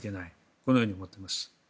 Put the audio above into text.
このように思っています。